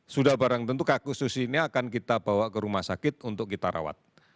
sudah barang tentu kak khusus ini akan kita bawa ke rumah sakit untuk kita rawat